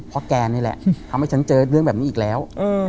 เพราะแกนี่แหละทำให้ฉันเจอเรื่องแบบนี้อีกแล้ว